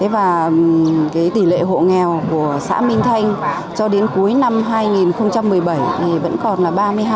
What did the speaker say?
và tỷ lệ hộ nghèo của xã minh thanh cho đến cuối năm hai nghìn một mươi bảy vẫn còn là ba mươi hai